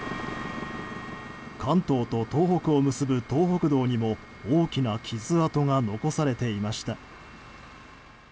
関東と東北を結ぶ東北道にも大きな傷跡が残されていました。